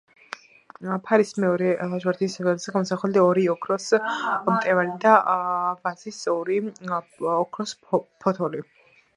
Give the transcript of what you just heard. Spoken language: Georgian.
ფარის მეორე ლაჟვარდის ველზე გამოსახულია ორი ოქროს მტევანი და ვაზის ორი ოქროს ფოთოლი.